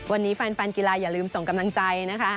วันนี้แฟนกีฬาอย่าลืมส่งกำลังใจนะคะ